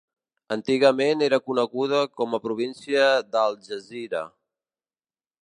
Antigament era coneguda com a província d'Al-Jazira.